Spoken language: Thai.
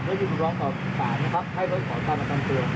โดยยื่นคำร้องต่อประกันตัวให้เขาขอตามประกันตัว